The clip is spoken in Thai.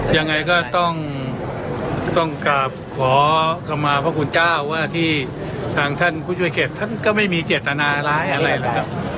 ยังไงก็ต้องกราบขอเข้ามาพระคุณเจ้าว่าที่ทางท่านผู้ช่วยเขตท่านก็ไม่มีเจตนาร้ายอะไรเลยครับ